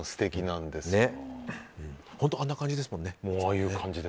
本当、あんな感じですもんね。